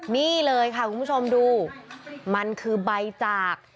นี่เลยค่ะคุณผู้ชมดูมันคือใบจาก